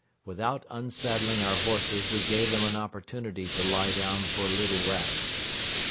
Without unsaddling our horses, we gave them an opportunity to lie down for a little rest.